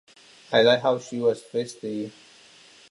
I like how she was feisty.